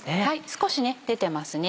少し出てますね。